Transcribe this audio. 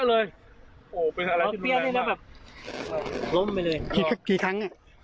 สี่ครั้งอ่ะ